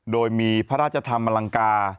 โดยมีพระราชธรรมอลังกา